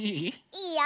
いいよ！